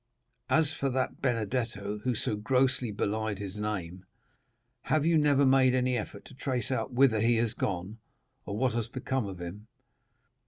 As for that Benedetto, who so grossly belied his name, have you never made any effort to trace out whither he has gone, or what has become of him?"